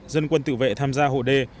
dân quân tự vệ tham gia hộ đê